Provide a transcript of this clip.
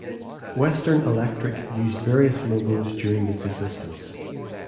Western Electric used various logos during its existence.